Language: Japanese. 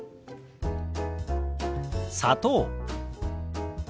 「砂糖」。